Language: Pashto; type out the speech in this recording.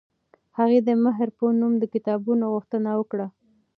هغې د مهر په نوم د کتابونو غوښتنه وکړه.